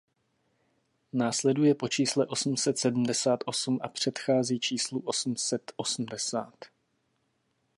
Následuje po čísle osm set sedmdesát osm a předchází číslu osm set osmdesát.